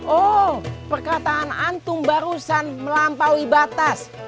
oh perkataan antum barusan melampaui batas